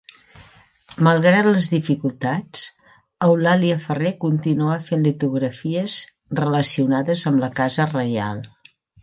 Malgrat les dificultats, Eulàlia Ferrer continuà fent litografies relacionades amb la casa reial.